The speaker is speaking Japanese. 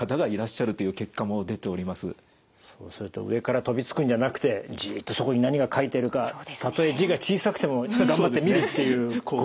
そうすると上から飛びつくんじゃなくてじっとそこに何が書いてるかたとえ字が小さくても頑張って見るっていうことですよね。